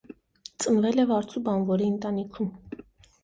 Ծնվել է վարձու բանվորի ընտանիքում։